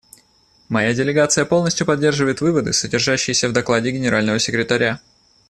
Моя делегация полностью поддерживает выводы, содержащиеся в докладе Генерального секретаря.